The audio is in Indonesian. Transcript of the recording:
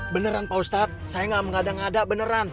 beneran pak ustadz saya gak mengada ngada beneran